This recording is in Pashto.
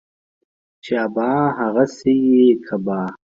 چي ابا ، هغه سي يې کبا.